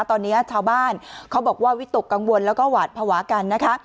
ตอนนี้ชาวบ้านเขาบอกว่าวิตกกังวลแล้วก็หวาดภาวะกันนะคะ